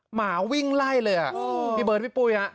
หมาวิ่งไล่เลยพี่เบิ้ตพี่ปุ๊ย